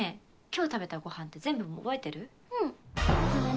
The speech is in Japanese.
今日食べたご飯って全部覚えてる？